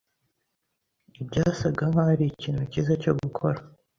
Byasaga nkaho ari ikintu cyiza cyo gukora.